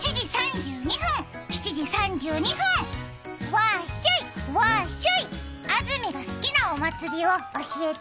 わっしょい、わっしょい、安住が好きな祭り、教えて。